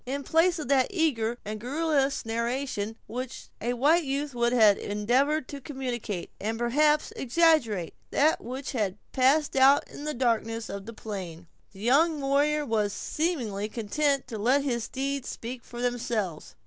In place of that eager and garrulous narration with which a white youth would have endeavored to communicate, and perhaps exaggerate, that which had passed out in the darkness of the plain, the young warrior was seemingly content to let his deeds speak for themselves.